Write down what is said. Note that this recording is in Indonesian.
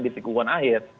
di tikuan akhir